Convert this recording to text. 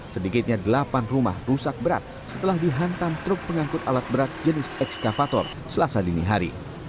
sedikitnya delapan rumah rusak berat setelah dihantam truk pengangkut alat berat jenis ekskavator selasa dini hari